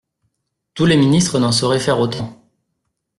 Tous les ministres n'en sauraient faire autant.